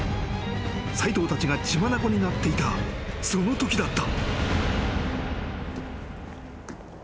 ［斎藤たちが血眼になっていたそのときだった］